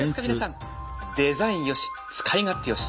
デザインよし使い勝手よし。